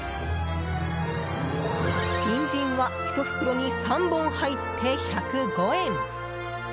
ニンジンは１袋に３本入って１０５円。